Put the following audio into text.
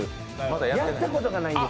やったことがないんです。